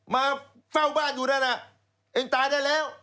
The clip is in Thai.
มาเฝ้าบ้านอยู่นั่นน่ะเองตายได้แล้ว